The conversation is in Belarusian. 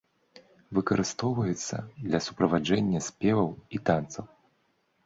Выкарыстоўваюцца для суправаджэння спеваў і танцаў.